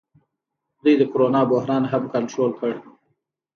دوی د کرونا بحران هم کنټرول کړ.